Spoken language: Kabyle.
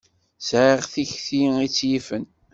Sɛiɣ tikti i tt-yifen.